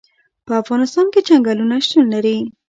په افغانستان کې چنګلونه شتون لري.